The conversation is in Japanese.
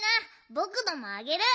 ぼくのもあげる。